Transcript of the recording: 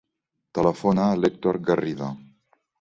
Telefona a l'Hèctor Garrido.